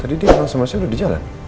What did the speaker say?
tadi dia langsung masih udah di jalan